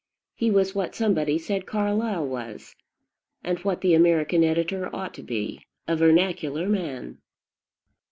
He was what somebody said Carlyle was, and what the American editor ought to be, a vernacular man.